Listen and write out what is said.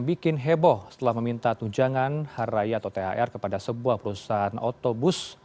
bikin heboh setelah meminta tunjangan hari raya atau thr kepada sebuah perusahaan otobus